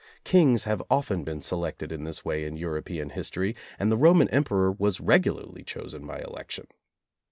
Kings have often been selected in this way in European history, and the Roman Emperor was regularly chosen by election.